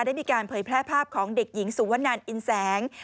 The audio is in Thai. ได้มีการเผยแพร่ภาพของเด็กหญิงสุวนันอินแสง